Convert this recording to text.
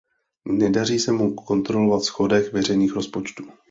Nedaří se mu kontrolovat schodek veřejných rozpočtů.